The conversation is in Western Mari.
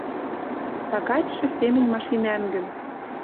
Тагачшы семӹнь машинӓнгӹн.